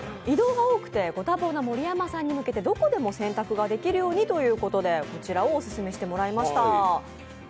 移動が多くてご多忙な盛山さんにどこでも洗濯ができるようにということでこちらをオススメしてもらいました。